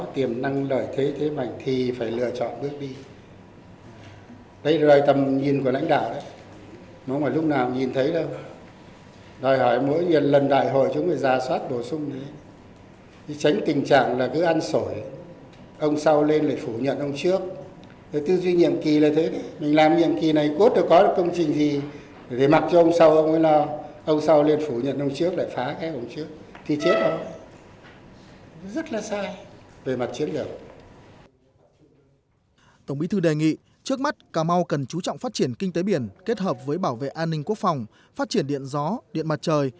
tổng bí thư đề nghị trước mắt cà mau cần chú trọng phát triển kinh tế biển kết hợp với bảo vệ an ninh quốc phòng phát triển điện gió điện mặt trời